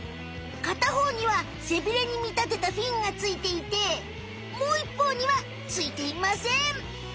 かたほうには背ビレに見たてたフィンがついていてもういっぽうにはついていません。